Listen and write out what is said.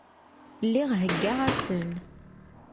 Lliɣ heggaɣ-asen.